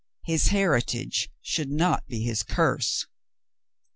His heritage should not be his curse.